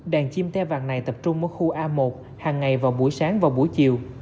đàn chim te vàng này tập trung ở khu a một hàng ngày vào buổi sáng và buổi chiều